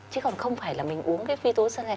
chứ còn không phải là mình uống cái phyto oxygen